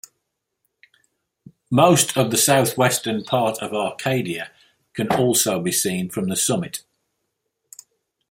Most of the southwestern part of Arcadia can also be seen from the summit.